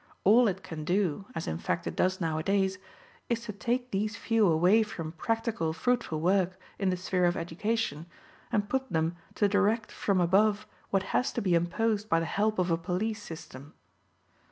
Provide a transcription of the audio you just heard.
All it can do, as in fact it does nowadays, is to take these few away from practical, fruitful work in the sphere of education, and put them to direct from above what has to be imposed by the help of a police system.